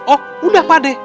oh udah pade